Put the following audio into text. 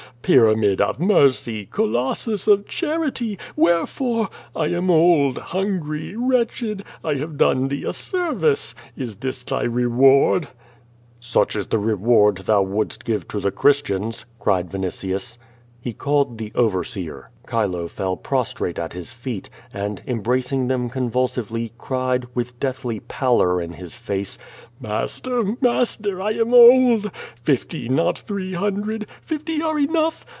Pyramid of mercy! Colossus of charity I Wherefore? I am old^ QUO VADIf^, 255 hungry, WTetchcd. I have done thee a service. Is this thy ' reward ?" ^SSuch is the reward thou wouldst give to the Christians," cried Vinitius. He called the overseer. Chile fell prostrate at his feet, and, embracing them convulsively, cried, with deathly pallor in his face: Master, master! I am old. Fifty, not three hundred! Fifty are enough.